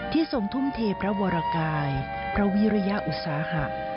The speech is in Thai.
ทรงทุ่มเทพระวรกายพระวิริยอุตสาหะ